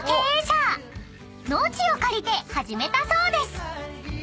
［農地を借りて始めたそうです］